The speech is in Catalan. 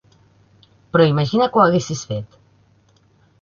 Però imagina que ho haguessis fet.